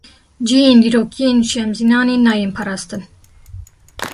Cihên dîrokî yên Şemzînanê, nayên parastin